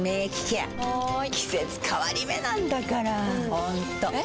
ホントえ？